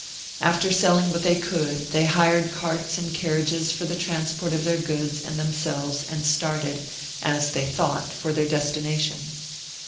After selling what they could, they hired carts and car riages for the transport of their goods and them selves and started as they thought for their des tination.